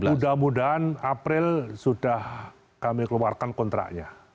mudah mudahan april sudah kami keluarkan kontraknya